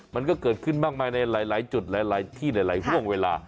มันก็เกิดขึ้นมากมายในหลายจุดหลายที่หลายห่วงเวลา